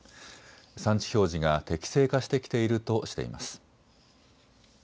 産地表示が適正化してきているとしています。